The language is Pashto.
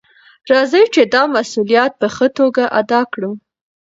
راځئ چې دا مسؤلیت په ښه توګه ادا کړو.